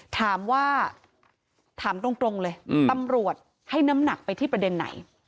ถามว่าถามตรงเลยตำรวจให้น้ำหนักไปที่ประเด็นไหน